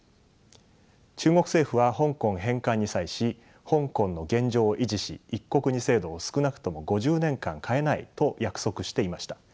中国政府は香港返還に際し香港の現状を維持し「一国二制度」を少なくとも５０年間変えないと約束していました。